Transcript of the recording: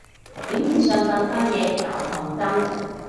表面上扮晒嘢搞抗爭